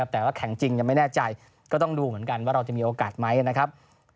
แต่ว่าแข่งจริงยังไม่แน่ใจก็ต้องดูเหมือนกันว่าเราจะมีโอกาสไหมนะครับ